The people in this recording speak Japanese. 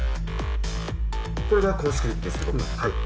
これが公式です